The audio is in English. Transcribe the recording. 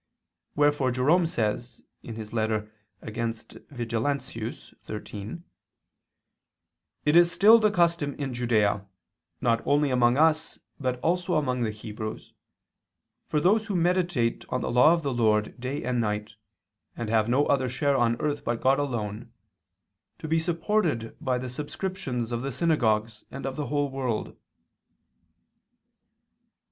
Wherefore Jerome says (Contra Vigil. xiii): "It is still the custom in Judea, not only among us but also among the Hebrews, for those who meditate on the law of the Lord day and night, and have no other share on earth but God alone, to be supported by the subscriptions of the synagogues and of the whole world."